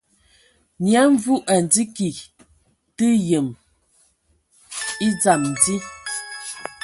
Nyia Mvu a ndzi kig tǝdǝ yǝm e dzam dí.